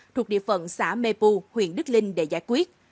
thuộc địa phận xã mê pu huyện đức linh để giải quyết